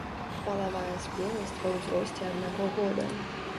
Палавая спеласць ва ўзросце аднаго года.